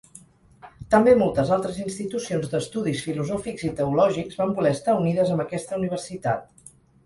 També moltes altres institucions d'estudis filosòfics i teològics van voler estar unides amb aquesta Universitat.